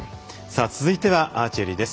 続いてはアーチェリーです。